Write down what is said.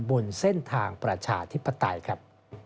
บนเส้นทางประชาธิปไตยครับ